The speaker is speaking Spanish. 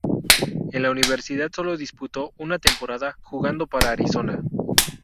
En la universidad solo disputó una temporada, jugando para Arizona.